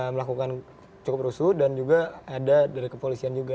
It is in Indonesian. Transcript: melakukan cukup rusuh dan juga ada dari kepolisian juga